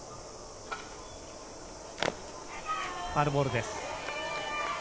ファウルボールです。